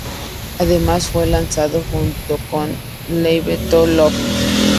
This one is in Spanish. Además, fue lanzado junto con "Slave to love".